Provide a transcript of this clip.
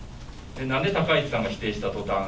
何で高市さんが否定したとたん